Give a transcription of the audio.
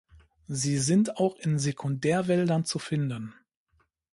Sie sind auch in Sekundärwäldern zu finden.